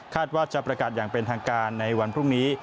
ว่าจะประกาศอย่างเป็นทางการในวันพรุ่งนี้